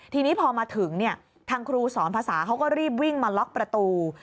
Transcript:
ทีนี้พอมาถึงทางครูสอนภาษาเขาก็รีบวิ่งมาล็อกประตู